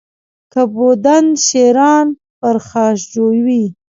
که بودند شیران پرخاشجوی